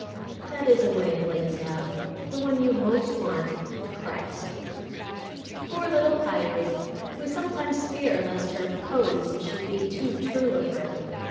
That is a way plates have. The one you most want cracks. Poor little Pyârie; we sometimes fear lest her "pose" should be too true of her.